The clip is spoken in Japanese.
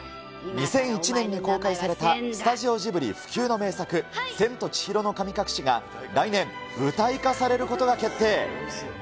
２００１年に公開されたスタジオジブリ不朽の名作、千と千尋の神隠しが来年、舞台化されることが決定。